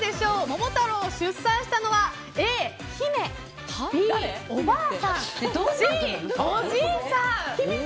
桃太郎を出産したのはＡ、姫Ｂ、おばあさんＣ、おじいさん。